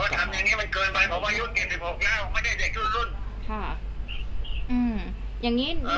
ทำอย่างนี้มันเกินไปเพราะว่าอายุ๗๖ยาวไม่ได้เด็กชุดรุ่น